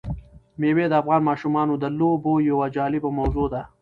مېوې د افغان ماشومانو د لوبو یوه جالبه موضوع ده.